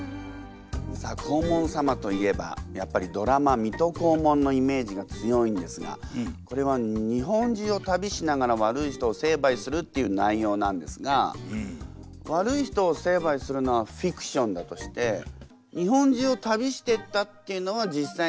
さあ黄門様といえばやっぱりドラマ「水戸黄門」のイメージが強いんですがこれは日本中を旅しながら悪い人を成敗するっていう内容なんですが悪い人を成敗するのはフィクションだとしてええ！？